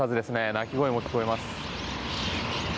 鳴き声も聞こえます。